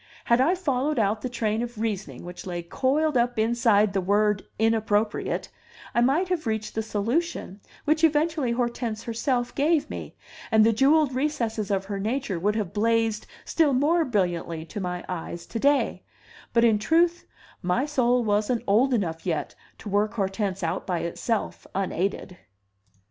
Had I followed out the train of reasoning which lay coiled up inside the word inappropriate, I might have reached the solution which eventually Hortense herself gave me, and the jewelled recesses of her nature would have blazed still more brilliantly to my eyes to day; but in truth, my soul wasn't old enough yet to work Hortense out by itself, unaided!